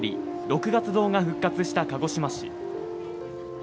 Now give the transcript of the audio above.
「六月灯」が復活した鹿児島市。